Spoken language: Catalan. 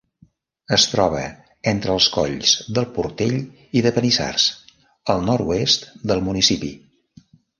Es troba entre els colls del Portell i de Panissars, al nord-oest del municipi.